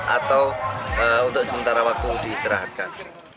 atau untuk sementara waktu diistirahatkan